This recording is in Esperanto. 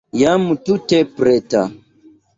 Jam tute preta.